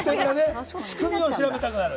仕組みを調べたくなる。